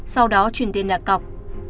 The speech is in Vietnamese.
sau đó chuyển tên đạt cọc